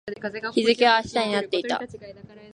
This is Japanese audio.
日付は明日になっていた